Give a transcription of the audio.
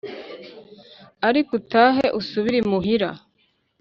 Ariko utahe usubire imuhira,